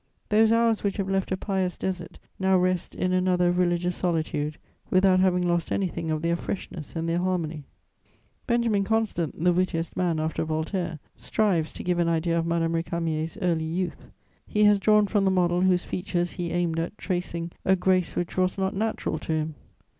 Those hours which have left a pious desert now rest in another religious solitude, without having lost anything of their freshness and their harmony. Benjamin Constant, the wittiest man after Voltaire, strives to give an idea of Madame Récamier's early youth: he has drawn from the model whose features he aimed at tracing a grace which was not natural to him.